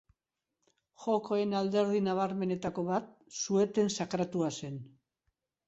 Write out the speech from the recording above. Jokoen alderdi nabarmenetako bat, su-eten sakratua zen.